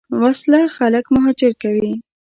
وسله خلک مهاجر کوي